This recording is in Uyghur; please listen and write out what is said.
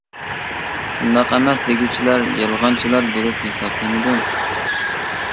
ئۇنداق ئەمەس، دېگۈچىلەر يالغانچىلار بولۇپ ھېسابلىنىدۇ.